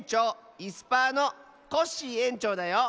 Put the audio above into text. いすパーのコッシーえんちょうだよ。